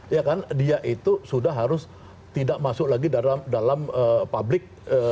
ya kan dia itu sudah harus tidak masuk lagi dalam publik